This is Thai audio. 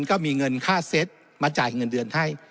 ก็มีเงินค่าเซ็ตมาจ่ายเงินเดือนให้